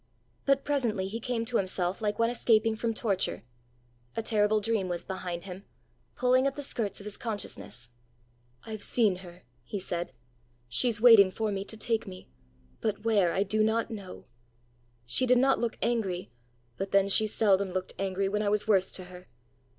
But presently he came to himself like one escaping from torture: a terrible dream was behind him, pulling at the skirts of his consciousness. "I've seen her!" he said. "She's waiting for me to take me but where I do not know. She did not look angry, but then she seldom looked angry when I was worst to her!